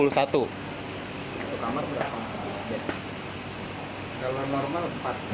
kalau normal empat